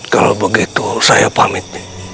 kalau begitu saya pamit